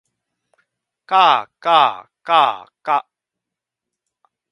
かあかあかあか